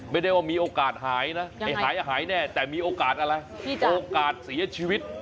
ไม่ได้ว่ามีโอกาสหายนะหายแน่แต่มีโอกาสอะไรโอกาสเสียชีวิต